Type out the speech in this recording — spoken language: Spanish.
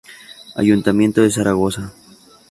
Ayuntamiento de Zaragoza